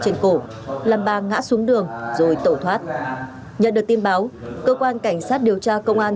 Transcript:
trên cổ làm bà ngã xuống đường rồi tẩu thoát nhận được tin báo cơ quan cảnh sát điều tra công an